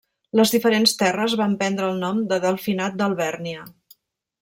Les diferents terres van prendre el nom de Delfinat d'Alvèrnia.